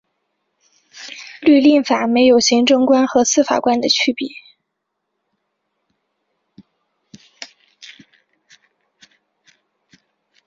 律令法没有行政官和司法官的区别。